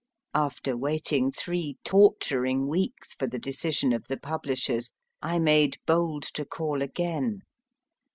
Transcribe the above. After waiting three torturing weeks for the decision of the publishers, I made bold to call again.